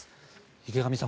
池上さん